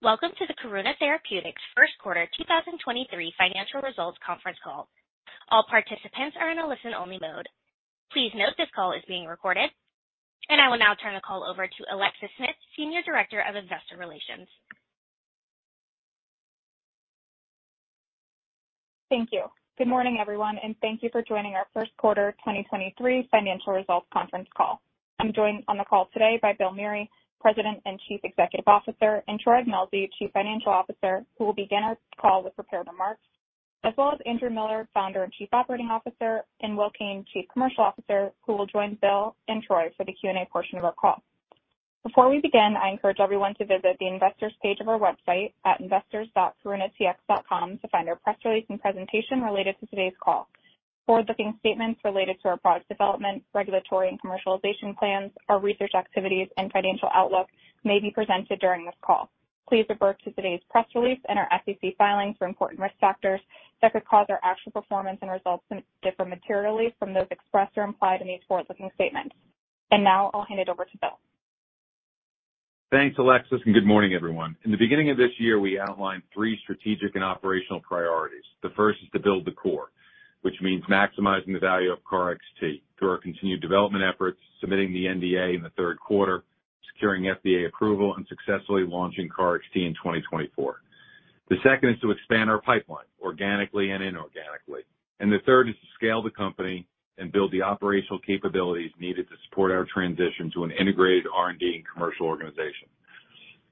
Welcome to the Karuna Therapeutics First Quarter 2023 Financial Results Conference Call. All participants are in a listen-only mode. Please note this call is being recorded. I will now turn the call over to Alexis Smith, Senior Director of Investor Relations. Thank you. Good morning, everyone, and thank you for joining our first quarter 2023 financial results conference call. I'm joined on the call today by Bill Meury, President and Chief Executive Officer, and Troy Ignelzi, Chief Financial Officer, who will begin our call with prepared remarks, as well as Andrew Miller, Founder and Chief Operating Officer, and Will Kane, Chief Commercial Officer, who will join Bill and Troy for the Q&A portion of our call. Before we begin, I encourage everyone to visit the investors page of our website at investors.karunatx.com to find our press release and presentation related to today's call. Forward-looking statements related to our product development, regulatory, and commercialization plans, our research activities, and financial outlook may be presented during this call. Please refer to today's press release and our SEC filings for important risk factors that could cause our actual performance and results to differ materially from those expressed or implied in these forward-looking statements. Now I'll hand it over to Bill. Thanks, Alexis. Good morning, everyone. In the beginning of this year, we outlined three strategic and operational priorities. The first is to build the core, which means maximizing the value of KarXT through our continued development efforts, submitting the NDA in the third quarter, securing FDA approval, and successfully launching KarXT in 2024. The second is to expand our pipeline organically and inorganically. The third is to scale the company and build the operational capabilities needed to support our transition to an integrated R&D and commercial organization.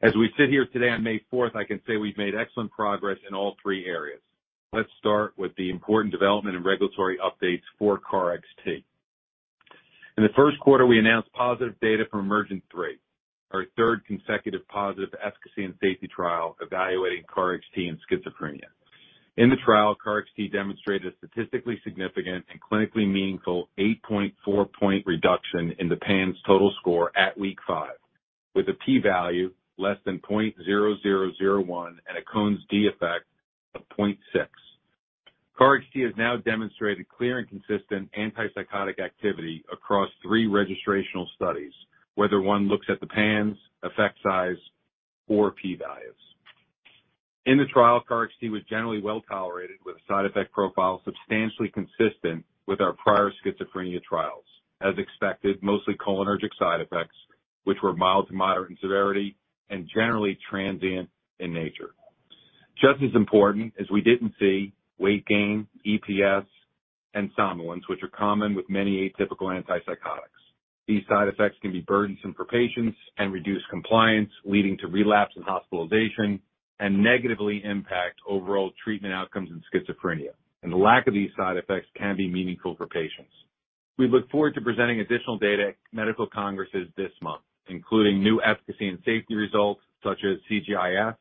As we sit here today on May 4th, I can say we've made excellent progress in all three areas. Let's start with the important development and regulatory updates for KarXT. In the first quarter, we announced positive data from EMERGENT-3, our third consecutive positive efficacy and safety trial evaluating KarXT in schizophrenia. In the trial, KarXT demonstrated a statistically significant and clinically meaningful 8.4 point reduction in the PANSS total score at week five, with a P-value less than 0.0001 and a Cohen's d effect of 0.6. KarXT has now demonstrated clear and consistent antipsychotic activity across three registrational studies, whether one looks at the PANSS, effect size, or P-values. In the trial, KarXT was generally well-tolerated with a side effect profile substantially consistent with our prior schizophrenia trials. As expected, mostly cholinergic side effects, which were mild to moderate in severity and generally transient in nature. Just as important, as we didn't see weight gain, EPS, and somnolence, which are common with many atypical antipsychotics. These side effects can be burdensome for patients and reduce compliance, leading to relapse and hospitalization and negatively impact overall treatment outcomes in schizophrenia. The lack of these side effects can be meaningful for patients. We look forward to presenting additional data at medical congresses this month, including new efficacy and safety results such as CGI-S,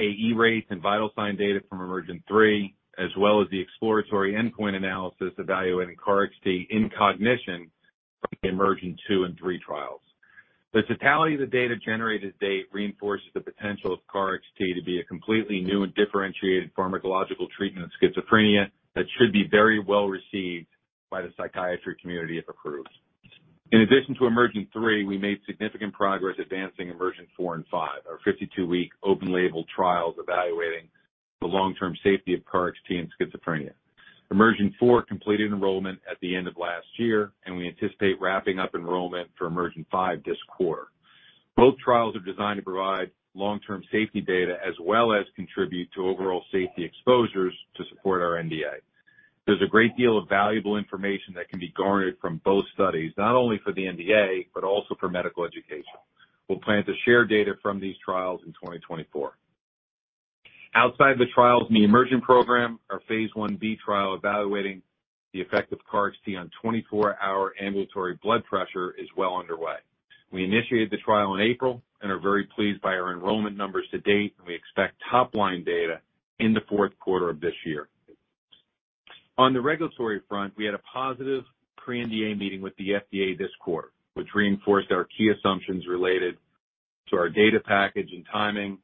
AE rates, and vital sign data from EMERGENT-3, as well as the exploratory endpoint analysis evaluating KarXT in cognition from the EMERGENT-2 and EMERGENT-3 trials. The totality of the data generated to date reinforces the potential of KarXT to be a completely new and differentiated pharmacological treatment of schizophrenia that should be very well received by the psychiatry community if approved. In addition to EMERGENT-3, we made significant progress advancing EMERGENT-4 and EMERGENT-5, our 52-week open-label trials evaluating the long-term safety of KarXT in schizophrenia. EMERGENT-4 completed enrollment at the end of last year, we anticipate wrapping up enrollment for EMERGENT-5 this quarter. Both trials are designed to provide long-term safety data as well as contribute to overall safety exposures to support our NDA. There's a great deal of valuable information that can be garnered from both studies, not only for the NDA, but also for medical education. We'll plan to share data from these trials in 2024. Outside the trials in the EMERGENT program, our phase I-B trial evaluating the effect of KarXT on 24-hour ambulatory blood pressure is well underway. We initiated the trial in April and are very pleased by our enrollment numbers to date, and we expect top-line data in the fourth quarter of this year. On the regulatory front, we had a positive pre-NDA meeting with the FDA this quarter, which reinforced our key assumptions related to our data package and timing.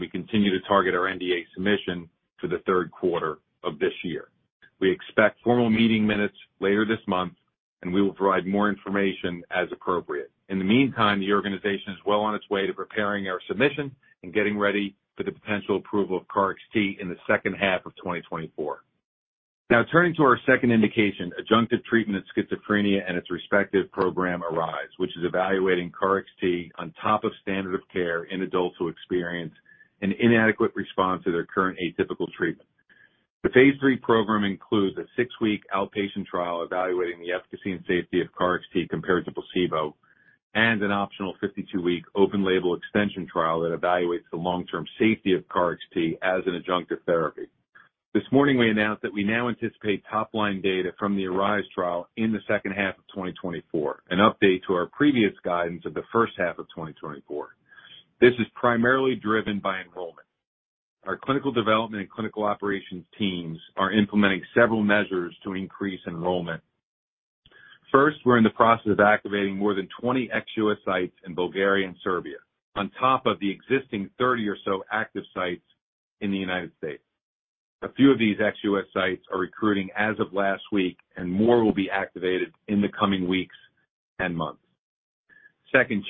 We continue to target our NDA submission to the third quarter of this year. We expect formal meeting minutes later this month. We will provide more information as appropriate. In the meantime, the organization is well on its way to preparing our submission and getting ready for the potential approval of KarXT in the second half of 2024. Turning to our second indication, adjunctive treatment of schizophrenia and its respective program ARISE, which is evaluating KarXT on top of standard of care in adults who experience an inadequate response to their current atypical treatment. The phase III program includes a six-week outpatient trial evaluating the efficacy and safety of KarXT compared to placebo and an optional 52-week open-label extension trial that evaluates the long-term safety of KarXT as an adjunctive therapy. This morning we announced that we now anticipate top-line data from the ARISE trial in the second half of 2024, an update to our previous guidance of the first half of 2024. This is primarily driven by enrollment. Our clinical development and clinical operations teams are implementing several measures to increase enrollment. First, we're in the process of activating more than 20 ex-U.S. sites in Bulgaria and Serbia on top of the existing 30 or so active sites in the United States. A few of these ex-U.S. sites are recruiting as of last week, and more will be activated in the coming weeks and months.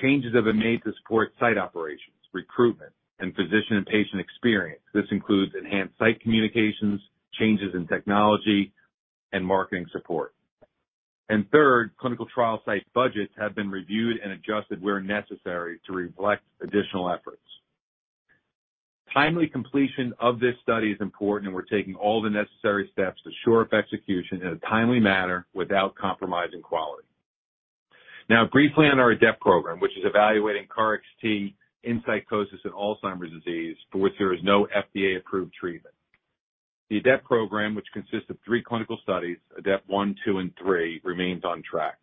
Changes have been made to support site operations, recruitment, and physician and patient experience. This includes enhanced site communications, changes in technology and marketing support. Third, clinical trial site budgets have been reviewed and adjusted where necessary to reflect additional efforts. Timely completion of this study is important, and we're taking all the necessary steps to shore up execution in a timely manner without compromising quality. Briefly on our ADEPT program, which is evaluating KarXT in psychosis and Alzheimer's disease, for which there is no FDA approved treatment. The ADEPT program, which consists of three clinical studies, ADEPT-1, 2, and 3, remains on track.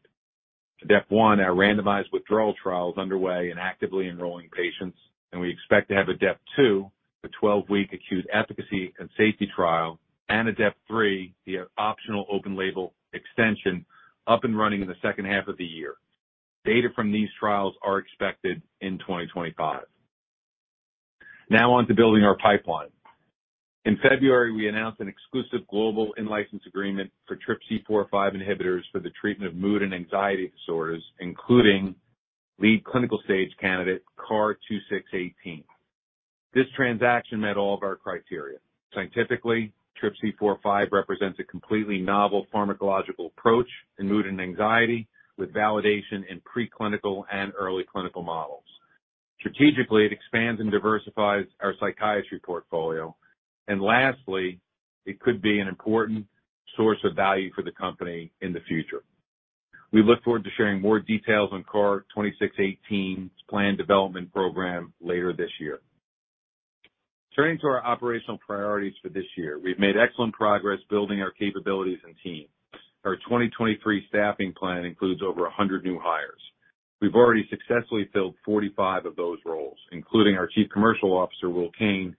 ADEPT-1, our randomized withdrawal trial, is underway and actively enrolling patients, and we expect to have ADEPT-2, the 12-week acute efficacy and safety trial, and ADEPT-3, the optional open-label extension, up and running in the second half of the year. Data from these trials are expected in 2025. Now on to building our pipeline. In February, we announced an exclusive global in-license agreement for TRPC4/5 inhibitors for the treatment of mood and anxiety disorders, including lead clinical-stage candidate KAR-2618. This transaction met all of our criteria. Scientifically, TRPC4/5 represents a completely novel pharmacological approach in mood and anxiety, with validation in preclinical and early clinical models. Strategically, it expands and diversifies our psychiatry portfolio. Lastly, it could be an important source of value for the company in the future. We look forward to sharing more details on KAR-2618's planned development program later this year. Turning to our operational priorities for this year. We've made excellent progress building our capabilities and team. Our 2023 staffing plan includes over 100 new hires. We've already successfully filled 45 of those roles, including our Chief Commercial Officer, Will Kane,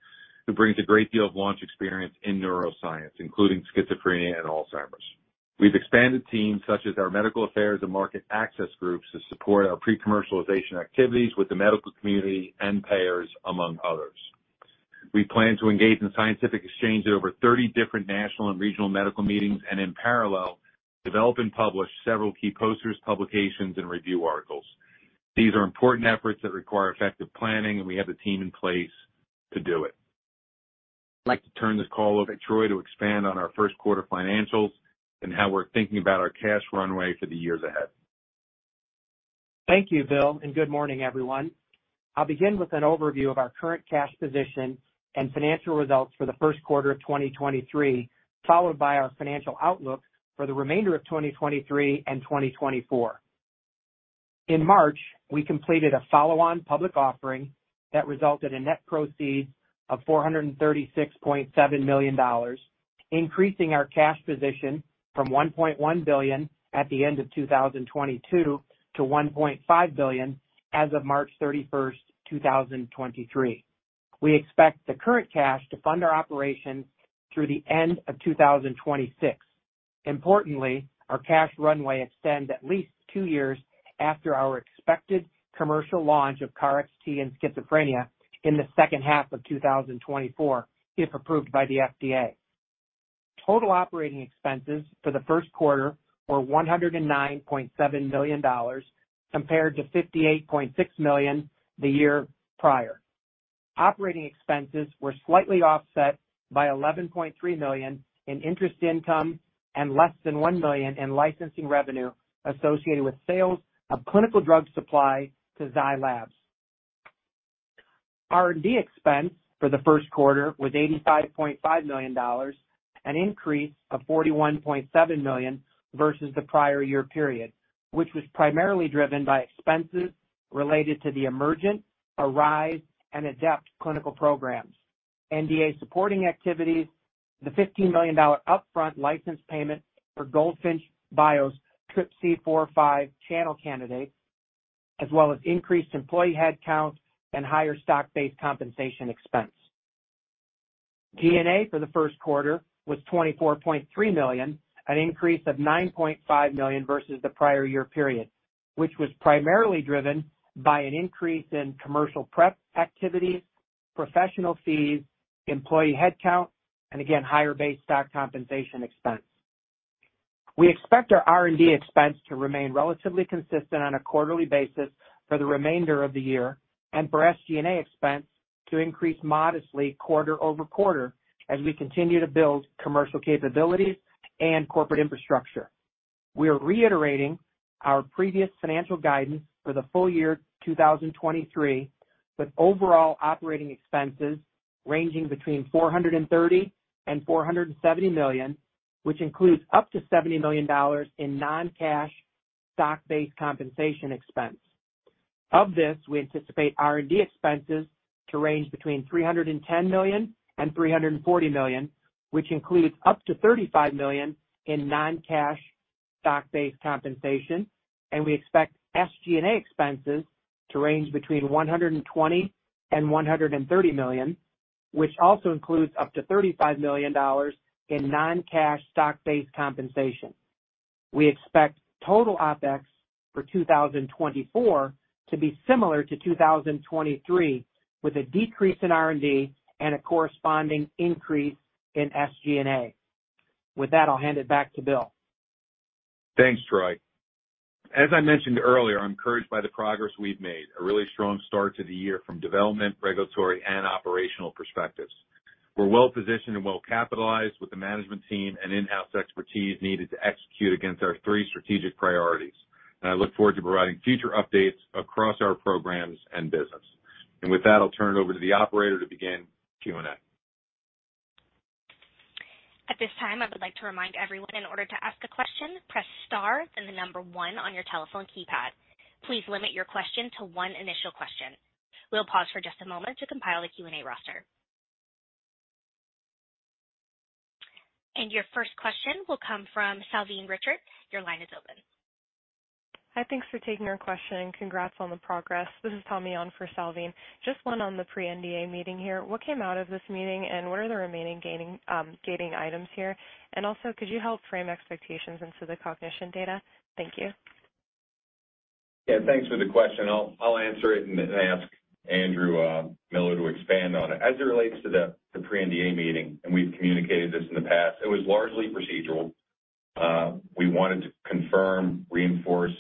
who brings a great deal of launch experience in neuroscience, including schizophrenia and Alzheimer's. We've expanded teams such as our medical affairs and market access groups to support our pre-commercialization activities with the medical community and payers, among others. We plan to engage in scientific exchange at over 30 different national and regional medical meetings, and in parallel, develop and publish several key posters, publications and review articles. These are important efforts that require effective planning, and we have the team in place to do it. I'd like to turn this call over to Troy to expand on our first quarter financials and how we're thinking about our cash runway for the years ahead. Thank you, Bill, and good morning, everyone. I'll begin with an overview of our current cash position and financial results for the first quarter of 2023, followed by our financial outlook for the remainder of 2023 and 2024. In March, we completed a follow-on public offering that resulted in net proceeds of $436.7 million, increasing our cash position from $1.1 billion at the end of 2022 to $1.5 billion as of March 31st, 2023. We expect the current cash to fund our operations through the end of 2026. Importantly, our cash runway extends at least two years after our expected commercial launch of KarXT in schizophrenia in the second half of 2024, if approved by the FDA. Total operating expenses for the first quarter were $109.7 million, compared to $58.6 million the year prior. Operating expenses were slightly offset by $11.3 million in interest income and less than $1 million in licensing revenue associated with sales of clinical drug supply to Zai Lab. R&D expense for the first quarter was $85.5 million, an increase of $41.7 million versus the prior year period, which was primarily driven by expenses related to the EMERGENT, ARISE, and ADEPT clinical programs, NDA supporting activities, the $15 million dollar upfront license payment for Goldfinch Bio's TRPC4/5 channel candidate, as well as increased employee headcount and higher stock-based compensation expense. G&A for the first quarter was $24.3 million, an increase of $9.5 million versus the prior year period, which was primarily driven by an increase in commercial prep activities, professional fees, employee headcount, and again, higher-based stock compensation expense. We expect our R&D expense to remain relatively consistent on a quarterly basis for the remainder of the year and for SG&A expense to increase modestly quarter-over-quarter as we continue to build commercial capabilities and corporate infrastructure. We are reiterating our previous financial guidance for the full year 2023, with overall operating expenses ranging between $430 million and $470 million, which includes up to $70 million in non-cash stock-based compensation expense. Of this, we anticipate R&D expenses to range between $310 million and $340 million, which includes up to $35 million in non-cash stock-based compensation. We expect SG&A expenses to range between $120 million and $130 million, which also includes up to $35 million in non-cash stock-based compensation. We expect total OpEx for 2024 to be similar to 2023, with a decrease in R&D and a corresponding increase in SG&A. With that, I'll hand it back to Bill. Thanks, Troy. As I mentioned earlier, I'm encouraged by the progress we've made. A really strong start to the year from development, regulatory, and operational perspectives. We're well-positioned and well-capitalized with the management team and in-house expertise needed to execute against our three strategic priorities. I look forward to providing future updates across our programs and business. With that, I'll turn it over to the operator to begin Q&A. At this time, I would like to remind everyone, in order to ask a question, press star then the one on your telephone keypad. Please limit your question to one initial question. We'll pause for just a moment to compile a Q&A roster. Your first question will come from Salveen Richter. Your line is open. Hi. Thanks for taking our question, and congrats on the progress. This is Tommy on for Salveen. Just one on the pre-NDA meeting here. What came out of this meeting, and what are the remaining gating items here? Could you help frame expectations into the cognition data? Thank you. Yeah. Thanks for the question. I'll answer it and ask Andrew Miller to expand on it. As it relates to the pre-NDA meeting, we've communicated this in the past, it was largely procedural. We wanted to confirm, reinforce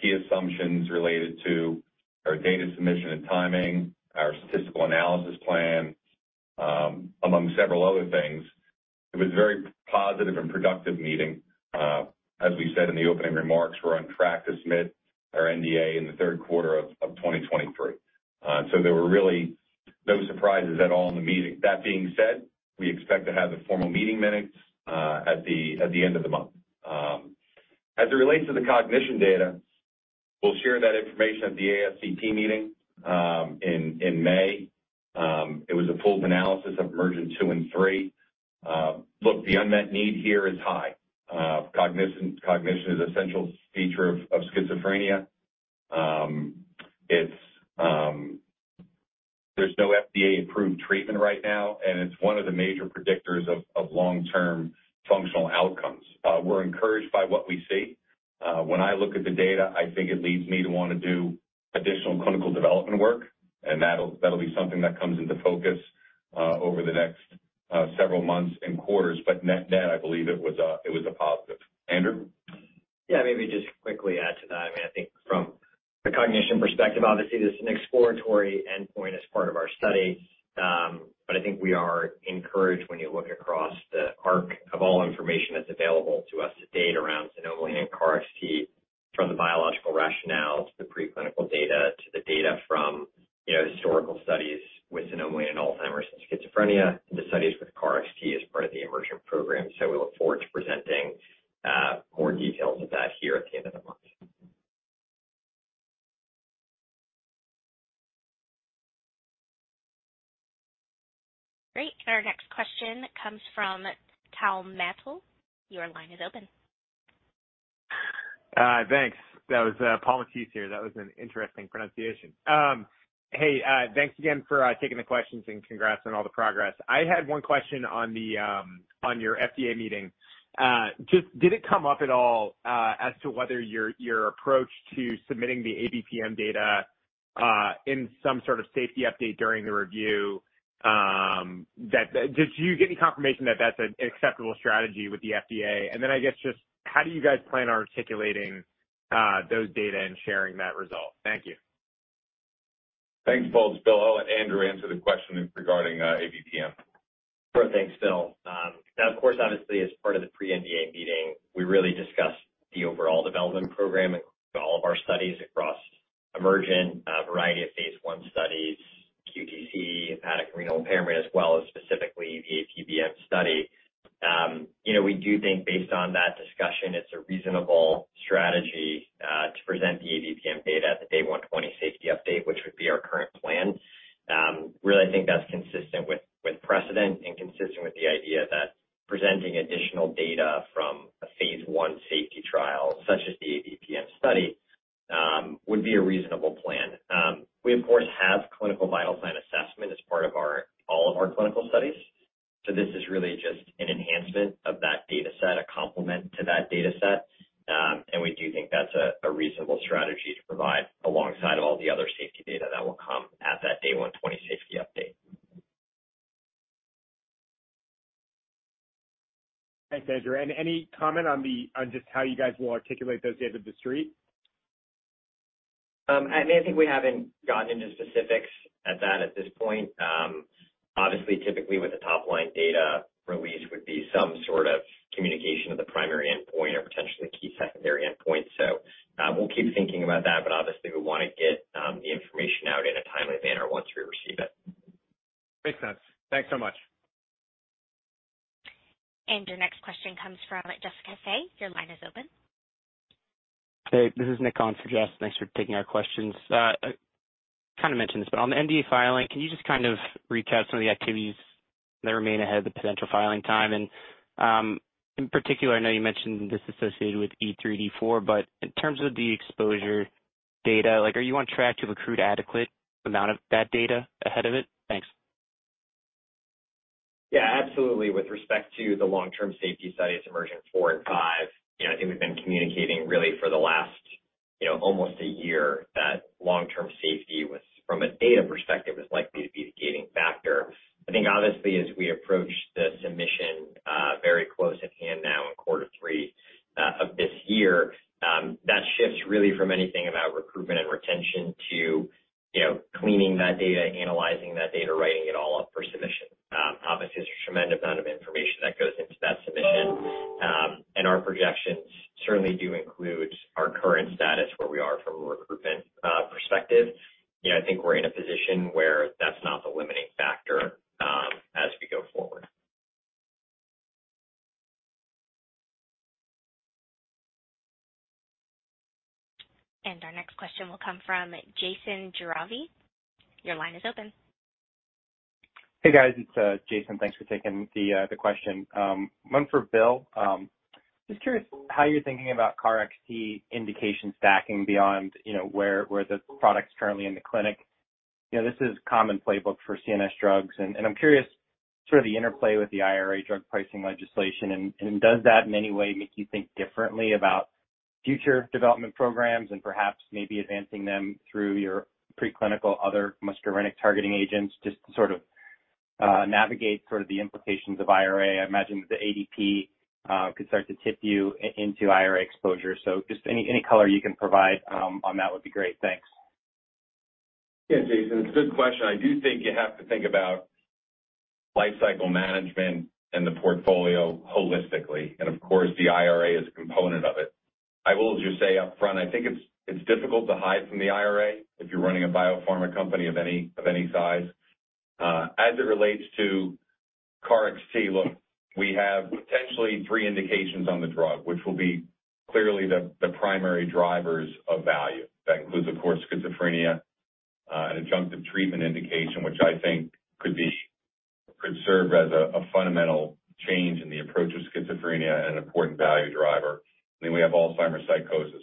key assumptions related to our data submission and timing, our statistical analysis plan, among several other things. It was a very positive and productive meeting. As we said in the opening remarks, we're on track to submit our NDA in the third quarter of 2023. There were really no surprises at all in the meeting. That being said, we expect to have the formal meeting minutes at the end of the month. As it relates to the cognition data, we'll share that information at the ASCP meeting in May. It was a pooled analysis of EMERGENT-2 and EMERGENT-3. The unmet need here is high. Cognition is an essential feature of schizophrenia. There's no FDA-approved treatment right now, and it's one of the major predictors of long-term functional outcomes. We're encouraged by what we see. When I look at the data, I think it leads me to wanna do additional clinical development work, and that'll be something that comes into focus over the next several months and quarters. Net, net, I believe it was a positive. Andrew? Yeah. Maybe just quickly add to that. I mean, I think from the cognition perspective, obviously this is an exploratory endpoint as part of our study. I think we are encouraged when you look across the arc of all information that's available to us to date around xanomeline and KarXT from the biological rationale to the preclinical data to the data from, you know, historical studies with xanomeline and Alzheimer's and schizophrenia and the studies with KarXT as part of the EMERGENT program. We look forward to presenting more details of that here at the end of the month. Great. Our next question comes from Paul Matteis. Your line is open. Thanks. That was Paul Matteis here. That was an interesting pronunciation. Thanks again for taking the questions and congrats on all the progress. I had one question on the on your FDA meeting. Did it come up at all as to whether your your approach to submitting the ABPM data in some sort of safety update during the review, did you get any confirmation that that's an acceptable strategy with the FDA? I guess just how do you guys plan on articulating those data and sharing that result? Thank you. Thanks, Paul. It's Bill. I'll let Andrew answer the question regarding ABPM. Sure thing, Bill. Now of course, obviously as part of the pre-NDA meeting, we really discussed the overall development program including all of our studies across EMERGENT, a variety of phase I studies, QTc, hepatic renal impairment, as well as specifically the ABPM study. You know, we do think based on that discussion it's a reasonable strategy to present the ABPM data at the day 120 safety update, which would be our current plan. Really, I think that's consistent with precedent and consistent with the idea that presenting additional data from a phase I safety trial such as the ABPM study would be a reasonable plan. We of course have clinical vital sign assessment as part of all of our clinical studies. So this is really just an enhancement of that data set, a complement to that data set. We do think that's a reasonable strategy to provide alongside all the other safety data that will come at that day 120 safety update. Thanks, Andrew. Any comment on just how you guys will articulate those data to the street? I mean, I think we haven't gotten into specifics at this point. Obviously, typically with the top-line data release would be some sort of communication of the primary endpoint or potentially key secondary endpoint. We'll keep thinking about that, but obviously we wanna get the information out in a timely manner once we receive it. Makes sense. Thanks so much. Your next question comes from Jessica Fye. Your line is open. Hey. This is Nick on for Jess. Thanks for taking our questions. Kind of mentioned this, but on the NDA filing, can you just kind of recap some of the activities that remain ahead of the potential filing time? In particular, I know you mentioned this associated with E3, E4, but in terms of the exposure data, like are you on track to recruit adequate amount of that data ahead of it? Thanks. Yeah, absolutely. With respect to the long-term safety studies, EMERGENT-4 and 5, you know, I think we've been communicating really for the last, you know, almost a year that long-term safety was from a data perspective, was likely to be the gating factor. I think honestly, as we approach the submission, very close at hand now in quarter three of this year, that shifts really from anything about recruitment and retention to, you know, cleaning that data, analyzing that data, writing it all up for submission. Obviously, it's a tremendous amount of information that goes into that submission. Our projections certainly do include our current status where we are from a recruitment perspective. You know, I think we're in a position where that's not the limiting factor as we go forward. Our next question will come from Jason Gerberry. Your line is open. Hey, guys, it's Jason. Thanks for taking the question. One for Bill. Just curious how you're thinking about KarXT indication stacking beyond, you know, where the product's currently in the clinic. You know, this is common playbook for CNS drugs, and I'm curious sort of the interplay with the IRA drug pricing legislation and does that in any way make you think differently about future development programs and perhaps maybe advancing them through your pre-clinical other muscarinic targeting agents, just to sort of navigate sort of the implications of IRA? I imagine that the ADP could start to tip you into IRA exposure. Just any color you can provide on that would be great. Thanks. Yeah, Jason, it's a good question. I do think you have to think about lifecycle management and the portfolio holistically. Of course, the IRA is a component of it. I will just say up front, I think it's difficult to hide from the IRA if you're running a biopharma company of any size. As it relates to KarXT, look, we have potentially three indications on the drug, which will be clearly the primary drivers of value. That includes, of course, schizophrenia, an adjunctive treatment indication, which I think could serve as a fundamental change in the approach of schizophrenia and an important value driver. We have Alzheimer's psychosis.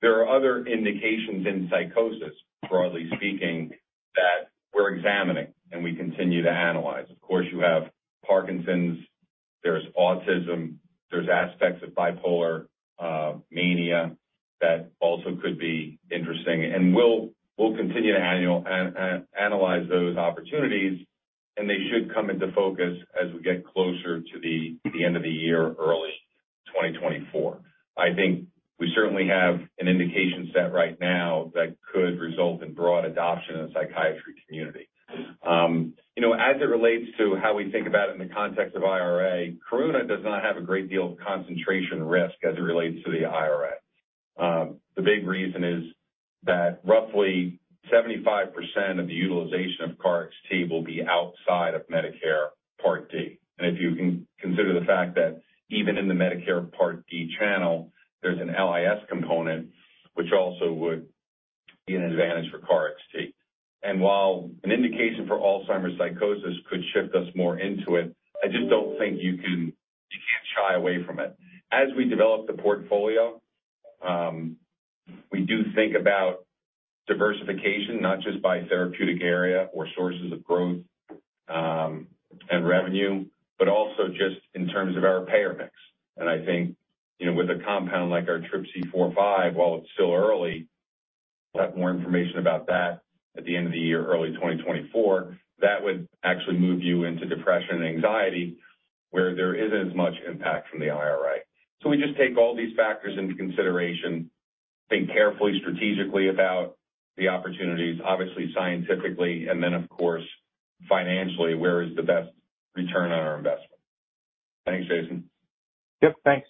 There are other indications in psychosis, broadly speaking, that we're examining and we continue to analyze. Of course, you have Parkinson's, there's autism, there's aspects of bipolar, mania that also could be interesting. We'll continue to analyze those opportunities, and they should come into focus as we get closer to the end of the year, early 2024. I think we certainly have an indication set right now that could result in broad adoption in the psychiatry community. You know, as it relates to how we think about it in the context of IRA, Karuna does not have a great deal of concentration risk as it relates to the IRA. The big reason is that roughly 75% of the utilization of KarXT will be outside of Medicare Part D. If you consider the fact that even in the Medicare Part D channel, there's an LIS component, which also would be an advantage for KarXT. While an indication for Alzheimer's psychosis could shift us more into it, I just don't think you can't shy away from it. As we develop the portfolio, we do think about diversification, not just by therapeutic area or sources of growth, and revenue, but also just in terms of our payer mix. I think, you know, with a compound like our TRPC4/5, while it's still early, we'll have more information about that at the end of the year, early 2024, that would actually move you into depression and anxiety, where there isn't as much impact from the IRA. We just take all these factors into consideration, think carefully strategically about the opportunities, obviously scientifically, and then, of course, financially, where is the best return on our investment. Thanks, Jason. Yep, thanks.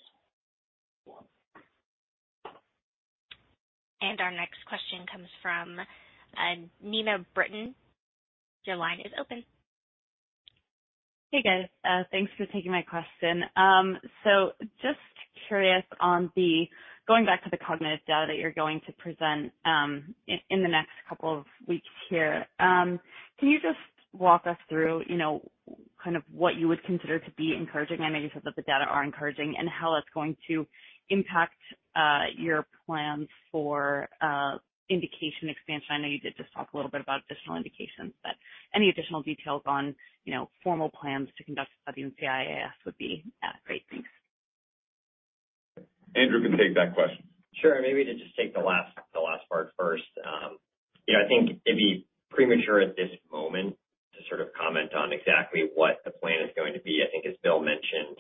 Our next question comes from Neena Bitritto-Garg. Your line is open. Hey, guys. Thanks for taking my question. Just curious going back to the cognitive data that you're going to present in the next couple of weeks here. Can you just walk us through, you know, kind of what you would consider to be encouraging? I know you said that the data are encouraging and how it's going to impact your plans for indication expansion. I know you did just talk a little bit about additional indications, but any additional details on, you know, formal plans to conduct a study in CIAS would be great. Thanks. Andrew can take that question. Sure. Maybe to just take the last, the last part first. Yeah, I think it'd be premature at this moment to sort of comment on exactly what the plan is going to be. I think as Bill mentioned,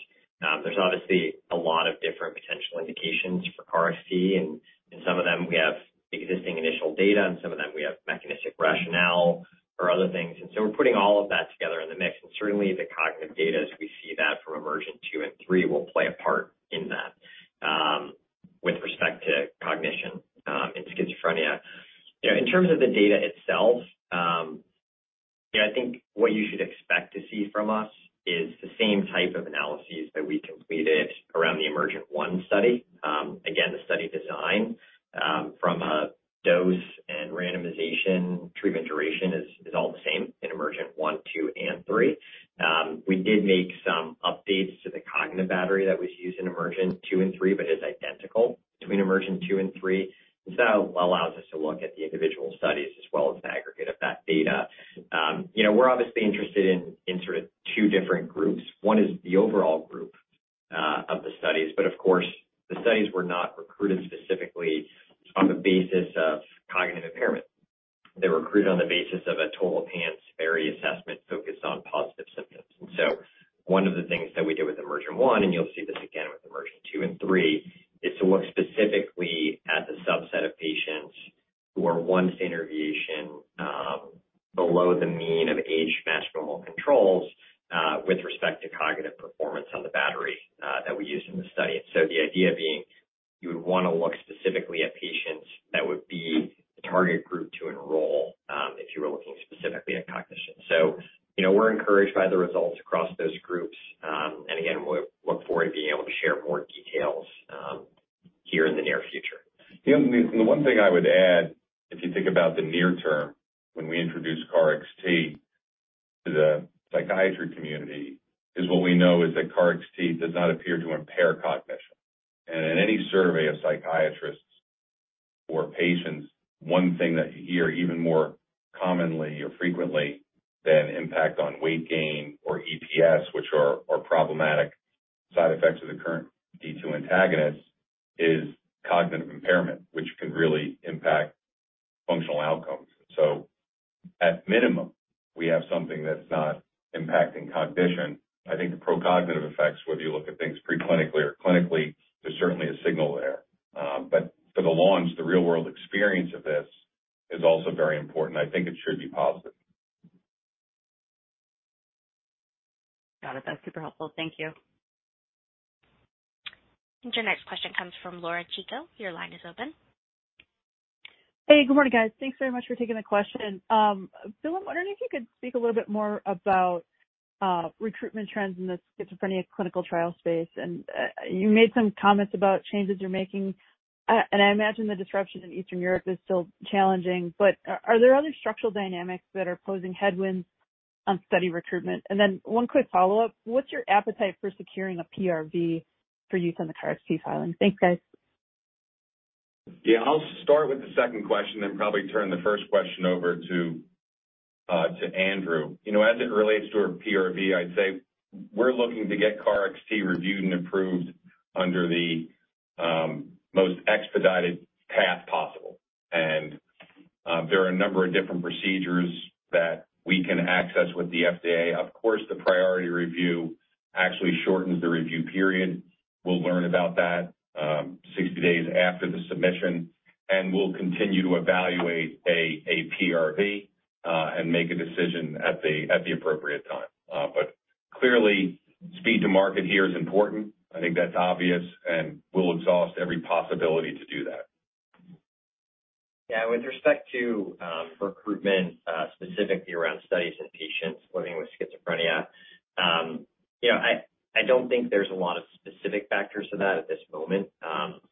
there's obviously a lot of different potential indications for KarXT, and some of them we have existing initial data, and some of them we have mechanistic rationale for other things. We're putting all of that together in the mix. Certainly the cognitive data, as we see that from EMERGENT-2 and EMERGENT-3, will play a part in that with respect to cognition and schizophrenia. You know, in terms of the data itself, yeah, I think what you should expect to see from us is the same type of analyses that we completed around the EMERGENT-1 study. Again, the study design, from a dose and randomization treatment duration is all the same in EMERGENT-1, 2, and 3. We did make some updates to the cognitive battery that was used in EMERGENT-2 and 3, but is identical between EMERGENT-2 and 3. Allows us to look at the individual studies as well as the aggregate of that data. You know, we're obviously interested in sort of two different groups. One is the overall group of the studies, but of course, the studies were not recruited specifically on the basis of cognitive impairment. They were recruited on the basis of a total PANSS vary assessment focused on positive symptoms. One of the things that we did with EMERGENT-1, and you'll see this again with EMERGENT-2 and 3, is to look specifically at the subset of patients who are one standard deviation below the mean of age-matched normal controls with respect to cognitive performance on the battery that we used in the study. The idea being you would wanna look specifically at patients that would be the target group to enroll if you were looking specifically at cognition. You know, we're encouraged by the results across those groups. Again, we look forward to being able to share more details here in the near future. You know, the one thing I would add, if you think about the near term when we introduced KarXT to the psychiatry community, is what we know is that KarXT does not appear to impair cognition. In any survey of psychiatrists or patients, one thing that you hear even more commonly or frequently than impact on weight gain or EPS, which are problematic side effects of the current D2 antagonists, is cognitive impairment, which can really impact functional outcomes. At minimum, we have something that's not impacting cognition. I think the pro-cognitive effects, whether you look at things pre-clinically or clinically, there's certainly a signal there. For the launch, the real-world experience of this is also very important. I think it should be positive. Got it. That's super helpful. Thank you. Your next question comes from Laura Chico. Your line is open. Hey, good morning, guys. Thanks very much for taking the question. Bill, I'm wondering if you could speak a little bit more about recruitment trends in the schizophrenia clinical trial space. You made some comments about changes you're making. I imagine the disruption in Eastern Europe is still challenging, but are there other structural dynamics that are posing headwinds on study recruitment? Then one quick follow-up. What's your appetite for securing a PRV for use in the KarXT filing? Thanks, guys. Yeah. I'll start with the second question, then probably turn the first question over to Andrew. You know, as it relates to a PRV, I'd say we're looking to get KarXT reviewed and approved under the most expedited path possible. There are a number of different procedures that we can access with the FDA. Of course, the priority review actually shortens the review period. We'll learn about that 60 days after the submission, and we'll continue to evaluate a PRV and make a decision at the appropriate time. Clearly, speed to market here is important. I think that's obvious, and we'll exhaust every possibility to do that. Yeah. With respect to recruitment, specifically around studies in patients living with schizophrenia, you know, I don't think there's a lot of specific factors to that at this moment.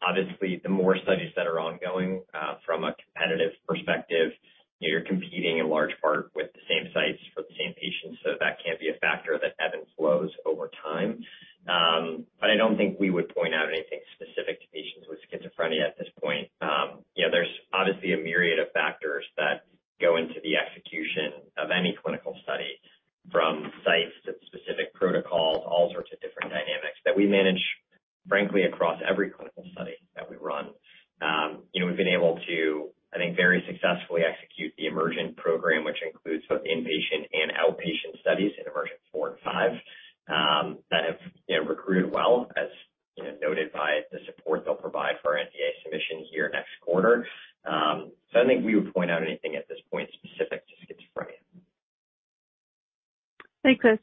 Obviously, the more studies that are ongoing, from a competitive perspective, you're competing in large part with the same sites for the same patients, so that can be a factor that ebbs and flows over time. I don't think we would point out anything specific to patients with schizophrenia at this point. You know, there's obviously a myriad of factors that go into the execution of any clinical study, from sites to specific protocols, all sorts of different dynamics that we manage, frankly, across every clinical study that we run. you know, we've been able to, I think, very successfully execute the EMERGENT program, which includes both inpatient and outpatient studies in EMERGENT-4 and 5, that have, you know, recruited well as, you know, noted by the support they'll provide for our NDA submission here next quarter. I don't think we would point out anything at this point specific to schizophrenia. Thanks, Bill.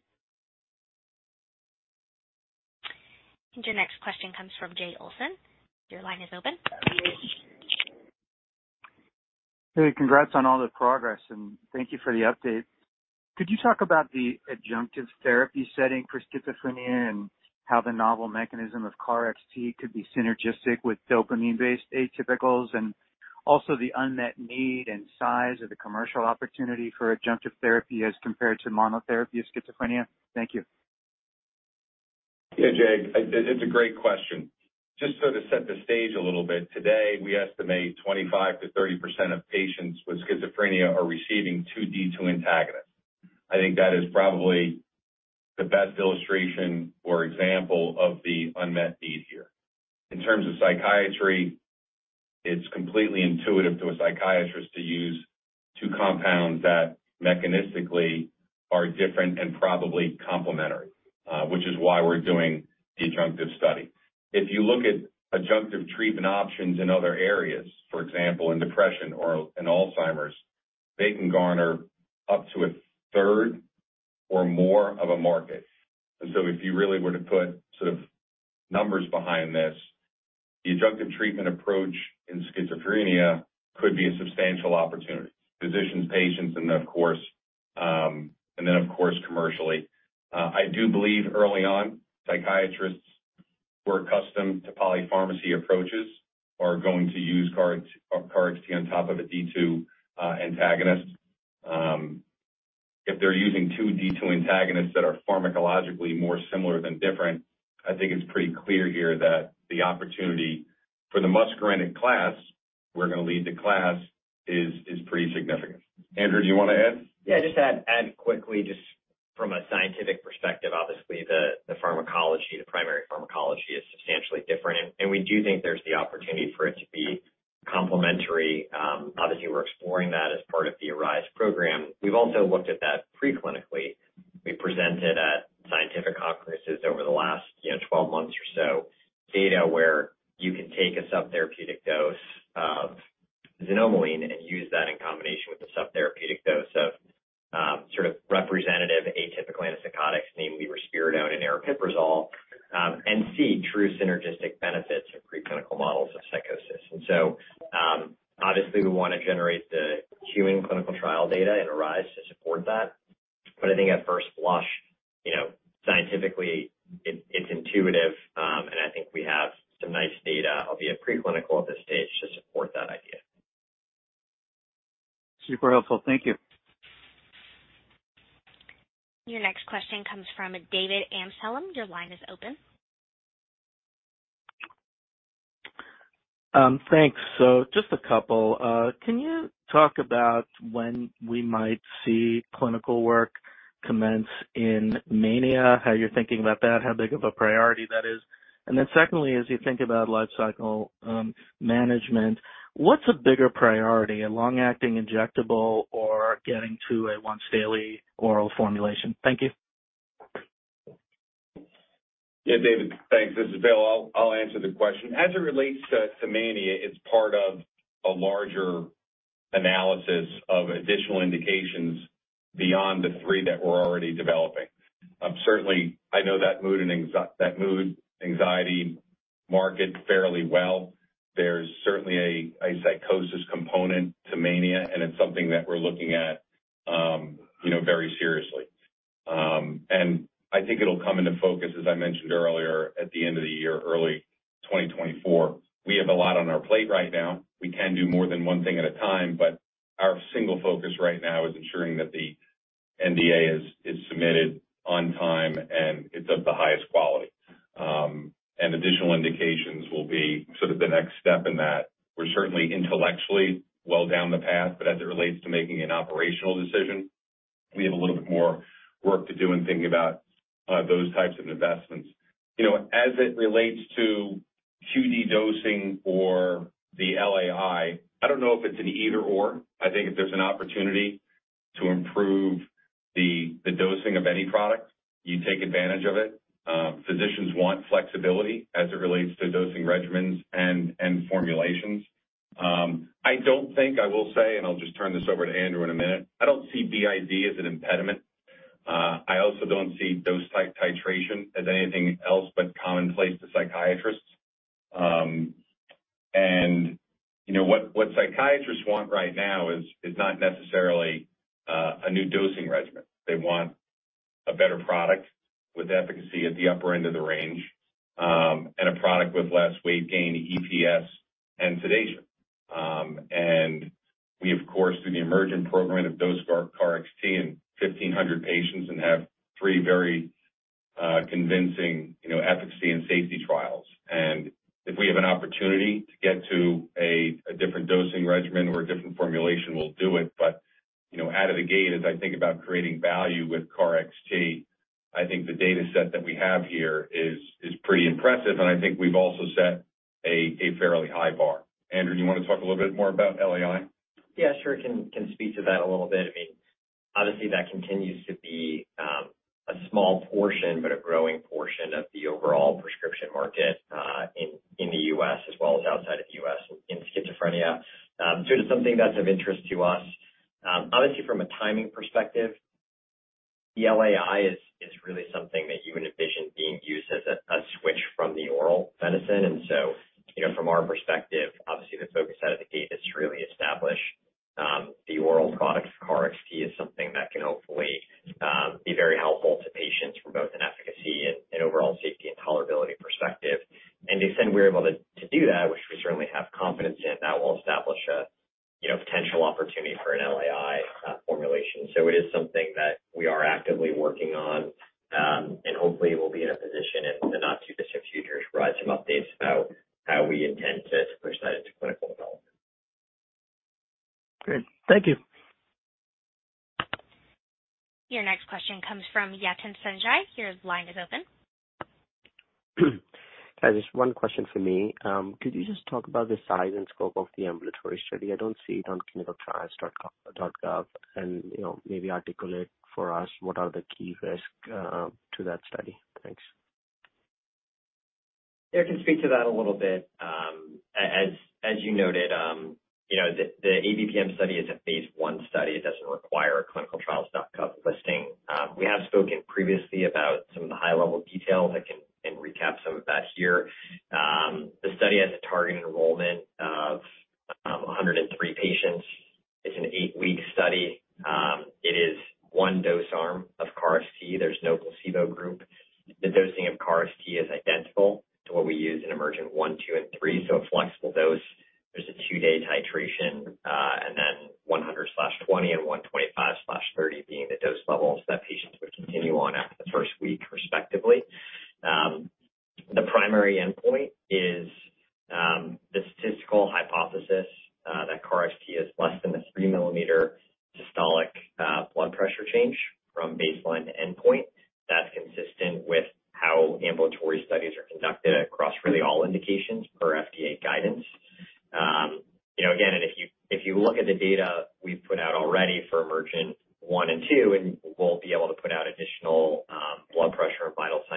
Your next question comes from Jay Olson. Your line is open. Hey, congrats on all the progress, and thank you for the update. Could you talk about the adjunctive therapy setting for schizophrenia and how the novel mechanism of KarXT could be synergistic with dopamine-based atypicals and also the unmet need and size of the commercial opportunity for adjunctive therapy as compared to monotherapy of schizophrenia? Thank you. Jay Olson. It's a great question. To set the stage a little bit, today, we estimate 25%-30% of patients with schizophrenia are receiving two D2 antagonists. I think that is probably the best illustration or example of the unmet need here. In terms of psychiatry, it's completely intuitive to a psychiatrist to use two compounds that mechanistically are different and probably complementary, which is why we're doing the adjunctive study. If you look at adjunctive treatment options in other areas, for example, in depression or in Alzheimer's, they can garner up to a third or more of a market. If you really were to put sort of numbers behind this, the adjunctive treatment approach in schizophrenia could be a substantial opportunity. Physicians, patients, and of course, and then, of course, commercially. I do believe early on, psychiatrists who are accustomed to polypharmacy approaches are going to use KarXT on top of a D2 antagonist. If they're using two D2 antagonists that are pharmacologically more similar than different, I think it's pretty clear here that the opportunity for the muscarinic class, we're going to lead the class, is pretty significant. Andrew, do you want to add? Yeah, just add quickly, just from a scientific perspective, obviously, the pharmacology, the primary pharmacology is substantially different. We do think there's the opportunity for it to be complementary. Obviously, we're exploring that as part of the ARISE program. We've also looked at that pre-clinically. We presented at scientific conferences over the last, you know, 12 months or so data where you can take a subtherapeutic dose of xanomeline and use that in combination with a subtherapeutic dose of sort of representative atypical antipsychotics, namely risperidone and aripiprazole, and see true synergistic benefits of preclinical models of psychosis. So, obviously, we want to generate the human clinical trial data and ARISE to support that. I think at first blush, you know, scientifically it's intuitive, and I think we have some nice data, albeit preclinical at this stage, to support that idea. Super helpful. Thank you. Your next question comes from David Amsellem. Your line is open. Thanks. Just a couple. Can you talk about when we might see clinical work commence in mania, how you're thinking about that, how big of a priority that is? Secondly, as you think about lifecycle, management, what's a bigger priority, a long-acting injectable or getting to a once-daily oral formulation? Thank you. Yeah, David. Thanks. This is Bill. I'll answer the question. As it relates to mania, it's part of a larger analysis of additional indications beyond the three that we're already developing. Certainly, I know that mood and anxiety market fairly well. There's certainly a psychosis component to mania, and it's something that we're looking at, you know, very seriously. I think it'll come into focus, as I mentioned earlier, at the end of the year, early 2024. We have a lot on our plate right now. We can do more than one thing at a time, but our single focus right now is ensuring that the NDA is submitted on time, and it's of the highest quality. Additional indications will be sort of the next step in that. We're certainly intellectually well down the path. As it relates to making an operational decision, we have a little bit more work to do in thinking about those types of investments. You know, as it relates to QD dosing or the LAI, I don't know if it's an either/or. I think if there's an opportunity to improve the dosing of any product, you take advantage of it. Physicians want flexibility as it relates to dosing regimens and formulations. I don't think I will say, and I'll just turn this over to Andrew in a minute. I don't see BID as an impediment. I also don't see dose titration as anything else but commonplace to psychiatrists. You know what psychiatrists want right now is not necessarily a new dosing regimen. They want a better product with efficacy at the upper end of the range, and a product with less weight gain, EPS and sedation. We of course, through the EMERGENT program of dose KarXT in 1,500 patients and have three very convincing, you know, efficacy and safety trials. If we have an opportunity to get to a different dosing regimen or a different formulation, we'll do it. You know, out of the gate, as I think about creating value with KarXT, I think the data set that we have here is pretty impressive, and I think we've also set a fairly high bar. Andrew, you want to talk a little bit more about LAI? Yeah, sure. Can speak to that a little bit. I mean, obviously that continues to be a small portion, but a growing portion of the overall prescription market in the U.S. as well as outside of the U.S. in schizophrenia. It is something that's of interest to us. Obviously from a timing perspective, the LAI is really something that you would envision being used as a switch from the oral medicine. You know, from our perspective, obviously the focus out of the gate is to really establish the oral product for KarXT as something that can hopefully be very helpful to patients from both an efficacy and overall safety and tolerability perspective. To the extent we're able to do that, which we certainly have confidence in, that will establish a, you know, potential opportunity for an LAI formulation. It is something that we are actively working on, and hopefully we'll be in a position in the not too distant future to provide some updates about how we intend to push that into clinical development. Great. Thank you. Your next question comes from Yatin Suneja. Your line is open. Just one question for me. Could you just talk about the size and scope of the ambulatory study? I don't see it on ClinicalTrials.gov. You know, maybe articulate for us what are the key risks to that study. Thanks. Yeah. I can speak to that a little bit. As you noted, you know, the ABPM study is a phase I study. It doesn't require a ClinicalTrials.gov listing. We have spoken previously about some of the high-level details. I can recap some of that here. The study has a target enrollment of 103 patients. It's an eight-week study. It is one dose arm of KarXT. There's no placebo group. The dosing of KarXT is identical to what we use in EMERGENT-1, 2, and 3, so a flexible dose. There's a two-day titration, and then 100/20 and 125/30 being the dose levels that patients would continue on after the first week, respectively. The primary endpoint is the statistical hypothesis that KarXT is less than a 3-mm systolic blood pressure change from baseline to endpoint. That's consistent with how ambulatory studies are conducted across really all indications per FDA guidance. You know, again, if you look at the data we've put out already for EMERGENT-1 and EMERGENT-2, we'll be able to put out additional blood pressure and vital signs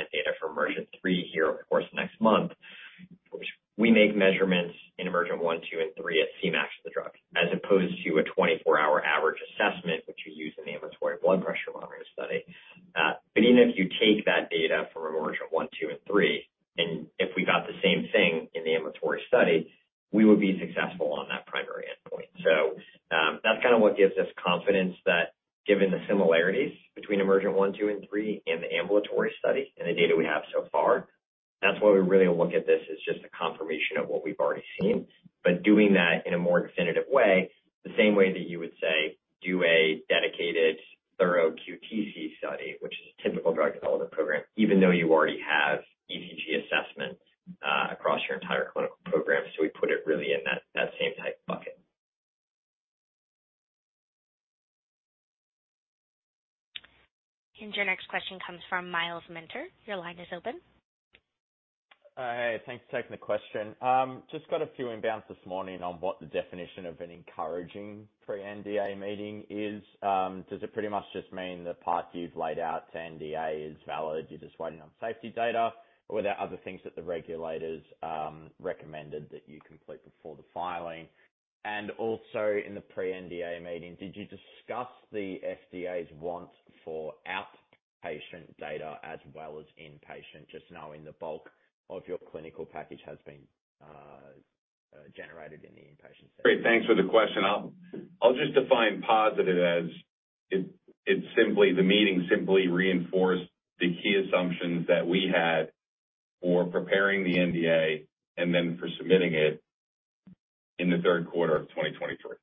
data for EMERGENT-3 here, of course, next month. We make measurements in EMERGENT-1, EMERGENT-2, and EMERGENT-3 at Cmax of the drug, as opposed to a 24-hour average assessment generated in the inpatient setting? Great. Thanks for the question. I'll just define positive as the meeting simply reinforced the key assumptions that we had for preparing the NDA and then for submitting it in the third quarter of 2023.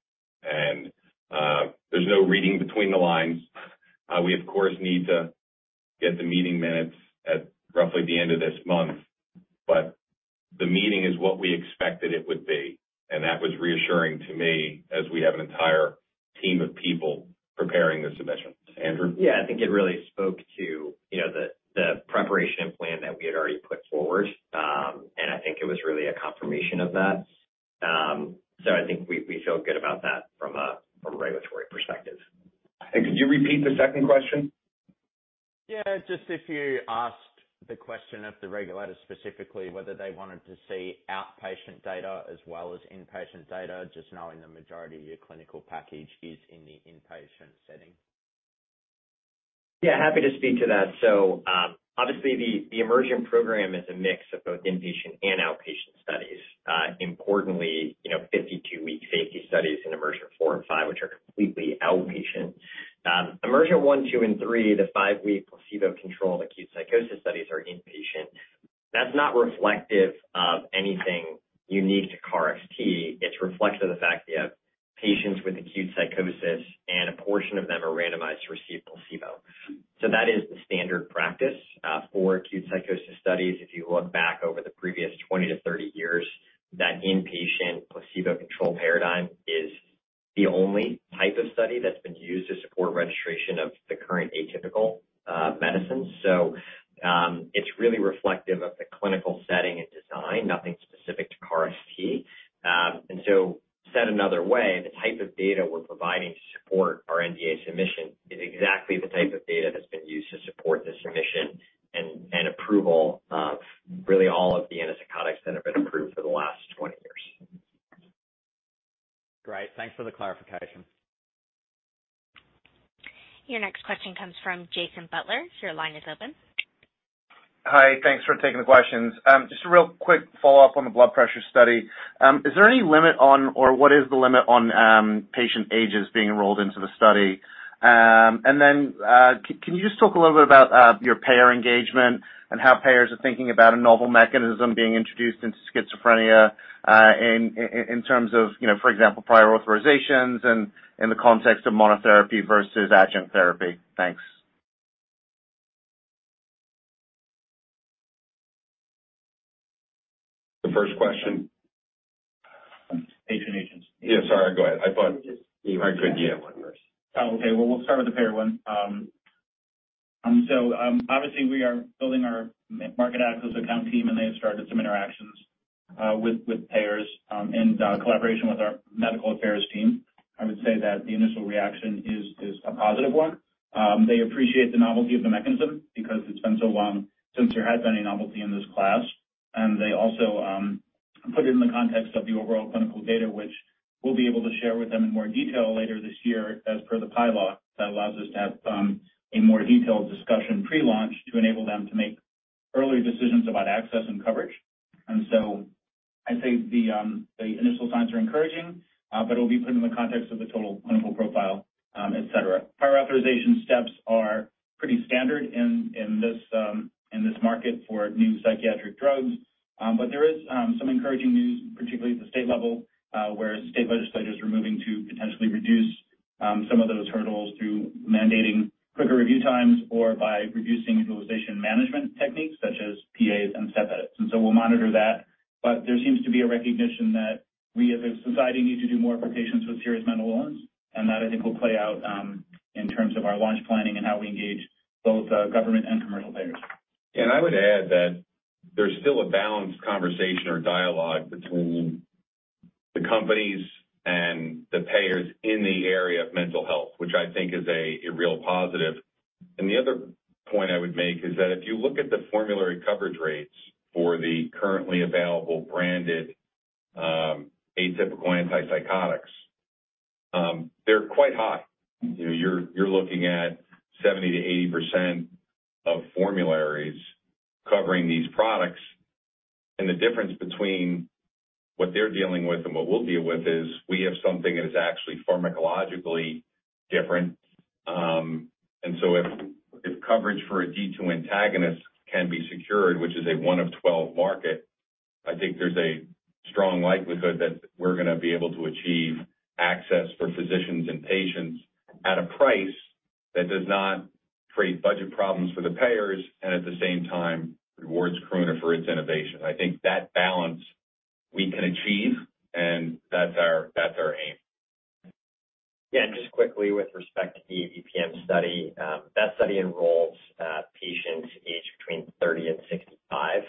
There's no reading between the lines. We of course, need to get the meeting minutes at roughly the end of this month, but the meeting is what we expected it would be, and that was reassuring to me as we have an entire team of people preparing the submission. Andrew? Yeah. I think it really spoke to, you know, the preparation plan that we had already put forward. I think it was really a confirmation of that. I think we feel good about that from a regulatory perspective. Could you repeat the second question? Yeah. Just if you asked the question of the regulators specifically whether they wanted to see outpatient data as well as inpatient data, just knowing the majority of your clinical package is in the inpatient setting. Yeah, happy to speak to that. Obviously the EMERGENT program is a mix of both inpatient and outpatient studies. Importantly, you know, 52-week safety studies in EMERGENT-4 and 5, which are completely outpatient. EMERGENT-1, 2, and 3, the five-week placebo-controlled acute psychosis studies are inpatient. That's not reflective of anything unique to KarXT. It's reflective of the fact that you have patients with acute psychosis and a portion of them are randomized to receive placebo. That is the standard practice for acute psychosis studies. If you look back over the previous 20-30 years, that inpatient placebo-controlled paradigm is the only type of study that's been used to support registration of the current atypical medicines. It's really reflective of the clinical setting and design, nothing specific to KarXT. Said another way, the type of data we're providing to support our NDA submission is exactly the type of data that's been used to support the submission and approval of really all of the antipsychotics that have been approved for the last 20 years. Great. Thanks for the clarification. Your next question comes from Jason Butler. Your line is open. Hi. Thanks for taking the questions. Just a real quick follow-up on the blood pressure study. Is there any limit on or what is the limit on patient ages being enrolled into the study? Can you just talk a little bit about your payer engagement and how payers are thinking about a novel mechanism being introduced into schizophrenia in in in terms of, you know, for example, prior authorizations and in the context of monotherapy versus adjunct therapy? Thanks. The first question? Patient agents. Yeah, sorry, go ahead. I thought you might. Well, we'll start with the payer one. Obviously we are building our market access account team, and they have started some interactions with payers in collaboration with our medical affairs team. I would say that the initial reaction is a positive one. They appreciate the novelty of the mechanism because it's been so long since there has been any novelty in this class. They also put it in the context of the overall clinical data, which we'll be able to share with them in more detail later this year as per the pilot that allows us to have a more detailed discussion pre-launch to enable them to make earlier decisions about access and coverage. I'd say the initial signs are encouraging, but it'll be put in the context of the total clinical profile, et cetera. Prior authorization steps are pretty standard in this market for new psychiatric drugs. There is some encouraging news, particularly at the state level, where state legislators are moving to potentially reduce some of those hurdles through mandating quicker review times or by reducing utilization management techniques such as PAs and step edits. We'll monitor that. There seems to be a recognition that we as a society need to do more for patients with serious mental illness, and that I think will play out in terms of our launch planning and how we engage both government and commercial payers. I would add that there's still a balanced conversation or dialogue between the companies and the payers in the area of mental health, which I think is a real positive. The other point I would make is that if you look at the formulary coverage rates for the currently available branded atypical antipsychotics, they're quite high. You know, you're looking at 70%-80% of formularies covering these products. The difference between what they're dealing with and what we'll deal with is we have something that is actually pharmacologically different. If coverage for a 5-HT2A antagonist can be secured, which is a one of 12 market, I think there's a strong likelihood that we're going to be able to achieve access for physicians and patients at a price that does not create budget problems for the payers and at the same time rewards Karuna for its innovation. I think that balance we can achieve, and that's our aim. Yeah. Just quickly with respect to the AVM study, that study enrolls patients aged between 30 and 65.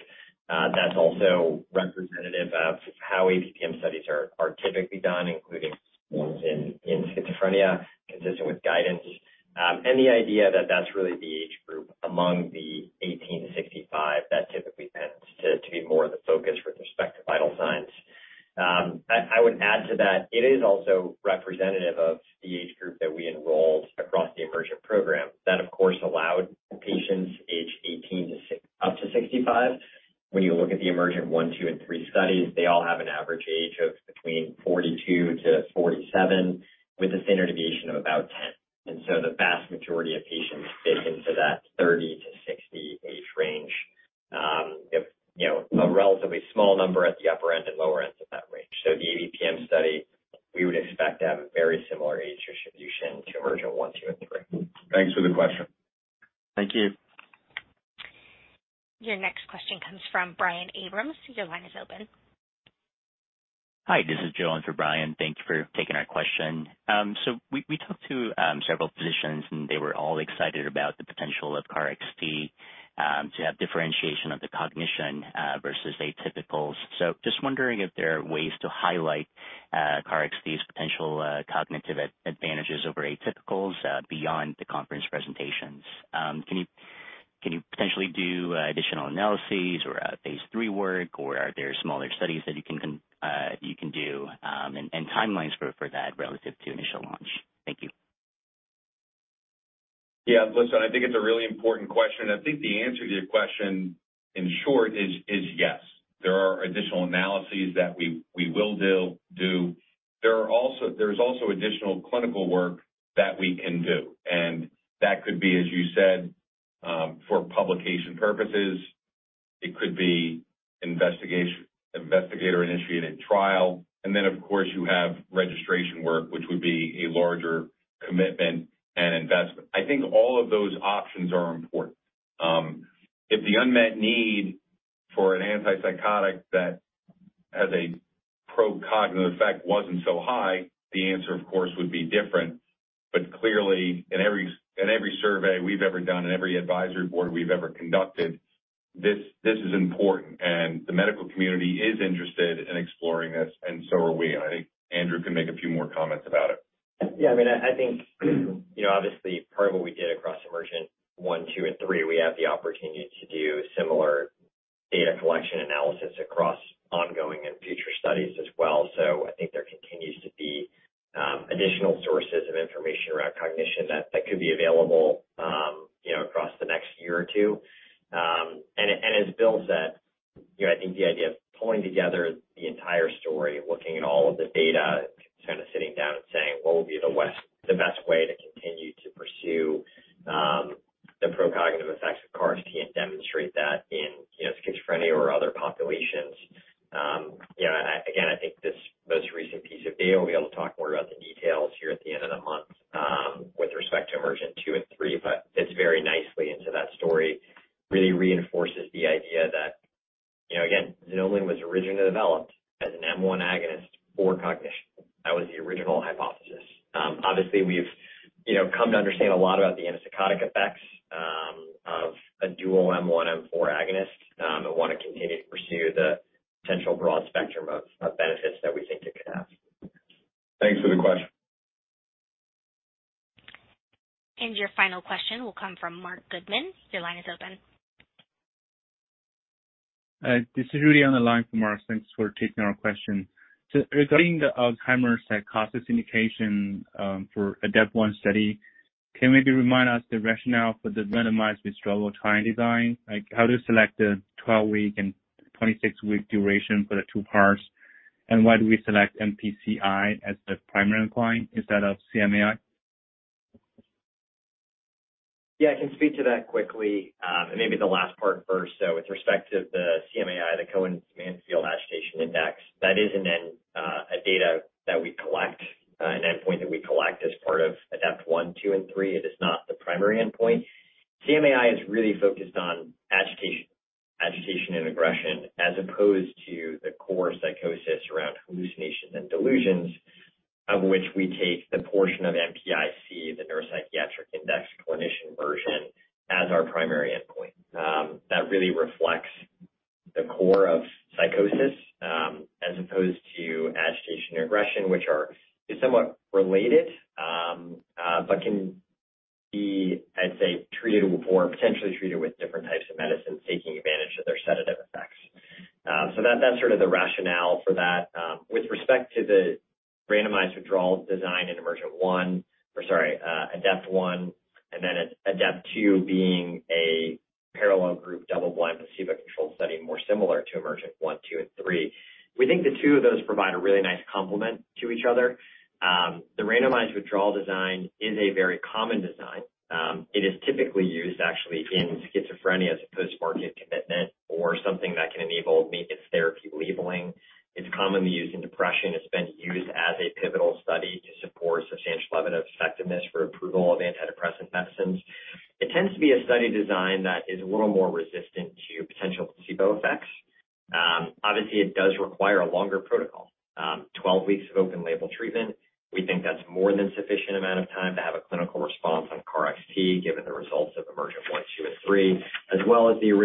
That's also representative of how AVM studies are typically done, including in schizophrenia, consistent with guidance. The idea that that's really the age group among the 18-65 that typically tends to be more of the focus with respect to vital signs. I would add to that it is also representative of the age group that we enrolled across the EMERGENT program. That, of course, allowed patients aged 18 up to 65. When you look at the EMERGENT-1, 2, and 3 studies, they all have an average age of between 42-47 with a standard deviation of about 10. The vast majority of patients fit into that 30-60 age range. you know, a relatively small number at the upper end and lower end of that range. The AVM study, we would expect to have a very similar age distribution to EMERGENT-1, 2, and 3. Thanks for the question. Thank you. Your next question comes from Brian Abrahams. Your line is open. Hi, this is Joan for Brian. Thank you for taking our question. We talked to several physicians, and they were all excited about the potential of KarXT to have differentiation of the cognition versus atypicals. Just wondering if there are ways to highlight KarXT's potential cognitive advantages over atypicals beyond the conference presentations. Can you potentially do additional analyses or phase III work, or are there smaller studies that you can do, and timelines for that relative to initial launch? Thank you. Listen, I think it's a really important question. I think the answer to your question in short is yes. There are additional analyses that we will do. There's also additional clinical work that we can do. That could be, as you said, for publication purposes, it could be investigator-initiated trial. Then, of course, you have registration work, which would be a larger commitment and investment. I think all of those options are important. If the unmet need for an antipsychotic that has a pro-cognitive effect wasn't so high, the answer of course, would be different. Clearly in every survey we've ever done and every advisory board we've ever conducted, this is important. The medical community is interested in exploring this, and so are we. I think Andrew can make a few more comments about it. Yeah. I mean, I think, you know, obviously part of what we did across EMERGENT-1, 2, and 3, we have the opportunity to do similar data collection analysis across ongoing and future studies as well. I think there continues to be additional sources of information around cognition that could be available, you know, across the next year or two. As Bill said, you know, I think the idea of pulling together the entire story, looking at all of the data, kind of sitting down and saying what would be the best way to continue to pursue the pro-cognitive effects of KarXT and demonstrate that in, you know, schizophrenia or other populations. You know, again, I think this most recent piece of data, we'll be able to talk more about the details here at the end of the month, with respect to EMERGENT-2 and 3. Fits very nicely into that story. Really reinforces the idea that, you know, again, xanomeline was originally developed as an M1 agonist for cognition. That was the original hypothesis. Obviously, we've, you know, come to understand a lot about the antipsychotic effects, of a dual M1/M4 agonist, and wanna continue to pursue the potential broad spectrum of benefits that we think it could have. Thanks for the question. Your final question will come from Marc Goodman. Your line is open. This is Rudy on the line from Marc. Thanks for taking our question. Regarding the Alzheimer's psychosis indication, for ADEPT-1 study, can you maybe remind us the rationale for the randomized withdrawal trial design? Like, how to select the 12-week and 26-week duration for the two parts, why do we select NPI-C as the primary endpoint instead of CMAI? Yeah, I can speak to that quickly. Maybe the last part first, though. With respect to the CMAI, the Cohen-Mansfield Agitation Index, that is a data that we collect, an endpoint that we collect as part of ADEPT-1, 2, and 3. It is not the primary endpoint. CMAI is really focused on agitation and aggression, as opposed to the core psychosis around hallucinations and delusions, of which we take the portion of NPI-C, the Neuropsychiatric Index Clinician Version, as our primary endpoint. That really reflects the core of psychosis, as opposed to agitation or aggression, which are somewhat related, but can be, I'd say, treated with or potentially treated with different types of medicines, taking advantage of their sedative effects. That's sort of the rationale for that. With respect to the randomized withdrawal design in EMERGENT-1 or, sorry, ADEPT-1, and then ADEPT-2 being a parallel group, double blind placebo-controlled study more similar to EMERGENT-1, 2, and 3. We think the two of those provide a really nice complement to each other. The randomized withdrawal design is a very common design. It is typically used actually in schizophrenia as a post-market commitment or something that can enable maintenance therapy labeling. It's commonly used in depression. It's been used as a pivotal study to support substantial evidence of effectiveness for approval of antidepressant medicines. It tends to be a study design that is a little more resistant to potential placebo effects. Obviously it does require a longer protocol.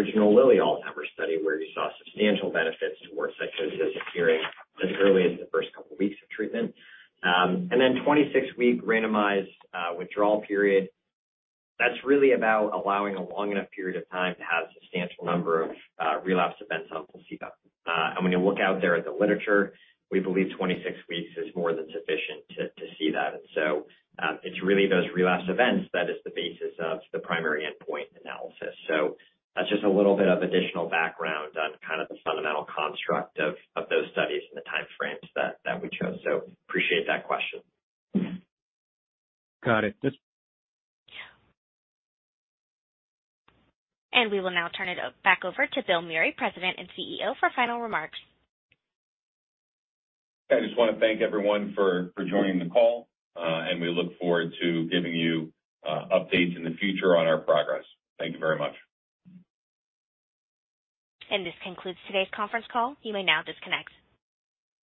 12 weeks of open label treatment, we think that's more than sufficient amount of time to have a clinical response on KarXT, given the results of EMERGENT-1, 2, and 3, as well as the original Lilly Alzheimer's study, where you saw substantial benefits towards psychosis appearing as early as the first couple weeks of treatment. 26-week randomized withdrawal period. That's really about allowing a long enough period of time to have substantial number of relapse events on placebo. When you look out there at the literature, we believe 26 weeks is more than sufficient to see that. It's really those relapse events that is the basis of the primary endpoint analysis. That's just a little bit of additional background on kind of the fundamental construct of those studies and the time frames that we chose. Appreciate that question. Got it. We will now turn it back over to Bill Meury, President and CEO, for final remarks. I just want to thank everyone for joining the call. We look forward to giving you updates in the future on our progress. Thank you very much. This concludes today's conference call. You may now disconnect.